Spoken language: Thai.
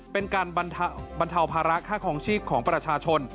เป็นการบรรเทาภาระค่าคลองชีพของประชาชน